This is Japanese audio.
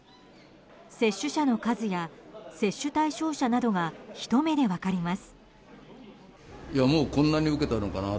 接種者の数や接種対象者などがひと目で分かります。